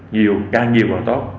nhiều càng nhiều còn tốt